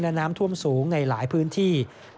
และน้ำท่วมสูงในหลายพื้นที่